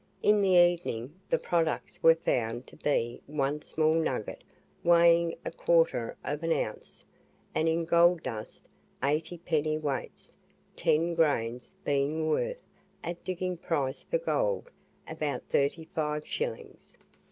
In the evening, the products were found to be one small nugget weighing a quarter of an ounce, and in gold dust eight pennyweights, ten grains, being worth, at the digging price for gold, about thirty five shillings.